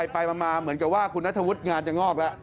ไปมาเหมือนกับว่าคุณนัทธวุฒิงานจะงอกแล้ว